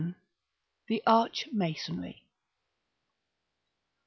THE ARCH MASONRY.